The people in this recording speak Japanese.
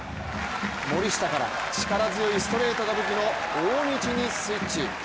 森下から力強いストレートが武器の大道にスイッチ。